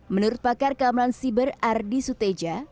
menurut pakar keamanan siber ardi suteja